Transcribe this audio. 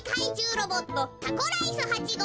ロボットタコライス８ごうしゅ